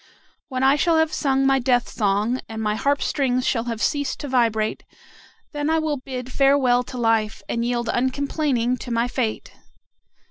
When I shall have sung my death song, and my harp strings shall have ceased to vibrate, then I will bid farewell to life, and yield uncomplaining to my fate."